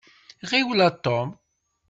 Ɣiwel a Tom.